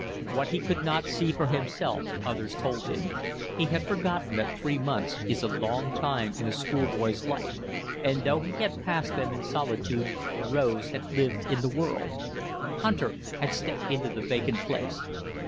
What he could not see for himself others told him. He had forgotten that three months is a long time in a schoolboy's life, and though he had passed them in solitude Rose had lived in the world. Hunter had stepped into the vacant place.